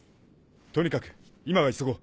とにかく今は急ごう。